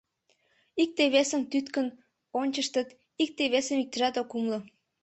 Икте-весым тӱткын ончыштыт, икте-весым иктыжат ок умыло.